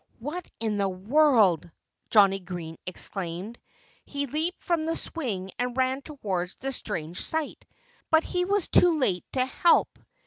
"What in the world " Johnnie Green exclaimed. He leaped from the swing and ran towards the strange sight. But he was too late to help.